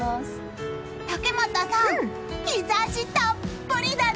竹俣さん、日差したっぷりだね！